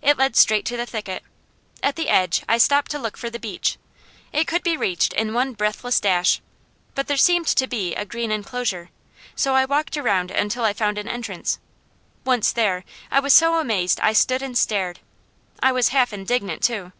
It led straight to the thicket. At the edge I stopped to look for the beech. It could be reached in one breathless dash, but there seemed to be a green enclosure, so I walked around until I found an entrance. Once there I was so amazed I stood and stared. I was half indignant too.